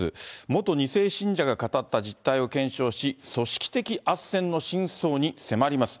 元２世信者が語った実態を検証し、組織的あっせんの真相に迫ります。